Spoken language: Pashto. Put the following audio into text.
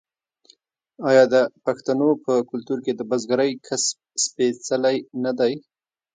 آیا د پښتنو په کلتور کې د بزګرۍ کسب سپیڅلی نه دی؟